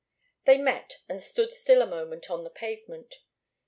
They met and stood still a moment on the pavement.